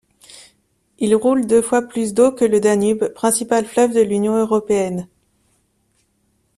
Il roule deux fois plus d'eau que le Danube, principal fleuve de l'Union européenne.